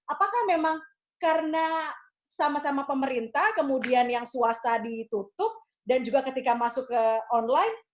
apakah memang karena sama sama pemerintah kemudian yang swasta ditutup dan juga ketika masuk ke online